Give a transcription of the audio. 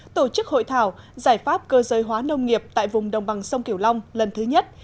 tổ chức hội thảo giải pháp cơ giới hóa nông nghiệp tại vùng đồng bằng sông kiểu long lần thứ nhất